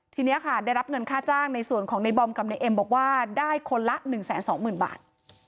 ทีนี้ค่ะได้รับเงินค่าจ้างในส่วนของในบอมกับในเอ็มบอกว่าได้คนละ๑๒๐๐๐บาท